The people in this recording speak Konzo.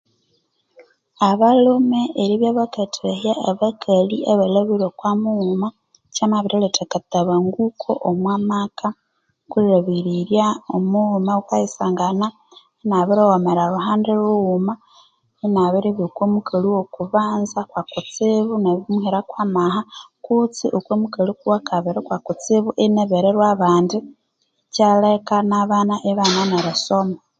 Abalhumi eribyabakathahya abakalhi abalhabire okwamughuma chamabiriletha omwamaka mwakathabanguko kulhabirirya omulhume akayisangana inyabirighomera lhuhandi lhughuma inabiribya okwamukali ghokubanza kwakutsibu inyamuhira kwamaha kutse okwamukali owakabiri kwakutsibu inabirirwa nabandi ikyaleka abana ibaghana erisoma